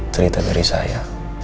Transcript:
cerita dari saya